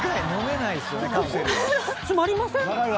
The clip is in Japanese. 詰まりません？